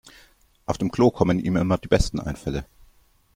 Auf dem Klo kommen ihm immer die besten Einfälle.